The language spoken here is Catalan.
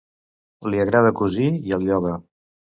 Li agrada cosir i el ioga.